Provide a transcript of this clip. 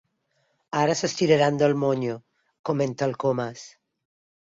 Ara s'estiraran del monyo —comenta el Comas—.